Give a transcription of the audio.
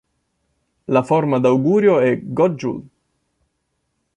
La formula d'augurio è "God Jul!".